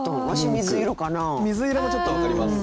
水色もちょっと分かります。